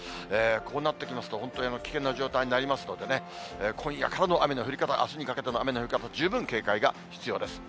こうなってきますと、本当に危険な状態になりますのでね、今夜からの雨の降り方、あすにかけての雨の降り方、十分警戒が必要です。